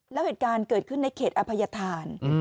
แล้วเหตุการณ์เกิดขึ้นในเขตอภัยธาน